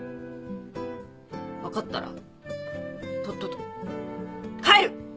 分かったらとっとと帰る！